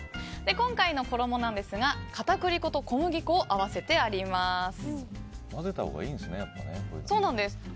今回の衣なんですが片栗粉と小麦粉を合わせてあります。